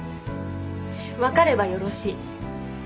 分かればよろしい。